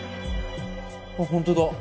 あっ本当だ。